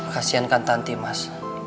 kasian kan tanti mas